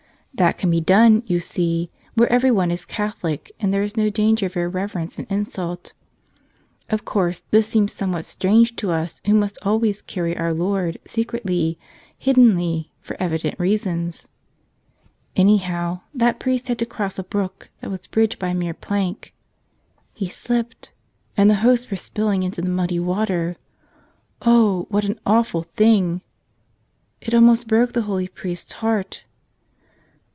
That can be done, you see, where everyone is Catholic and there is no danger of irreverence and insult. Of course, this seems somewhat strange to us who must almost always carry our Lord secretly, hiddenly, for evident reasons. Anyhow, that priest had to cross a brook that was bridged by merely a plank. He slipped ; and the Hosts were spilled into the muddy water. Oh, what an awful thing ! It almost broke the holy priest's heart.